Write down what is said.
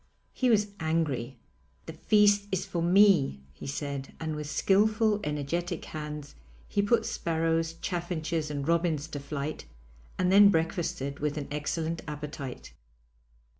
He was angry: 'The feast is for me,' he said, and with skilful, energetic hands he put sparrows, chaffinches, and robins to flight and then breakfasted with an excellent appetite.